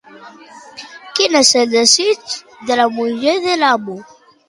Quin és el desig de la muller de l'amo?